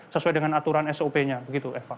sesuai dengan aturan sop nya begitu eva